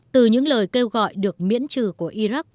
từ những lời kêu gọi được miễn trừ của iraq